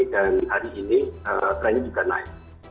dan hari ini trendnya juga naik